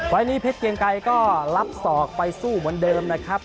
นี้เพชรเกียงไกรก็รับศอกไปสู้เหมือนเดิมนะครับ